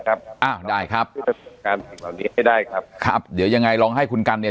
ร์ได้ครับเดี๋ยวยังไงลองให้คุณกรรม